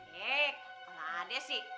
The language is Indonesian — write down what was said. hei nggak ada sih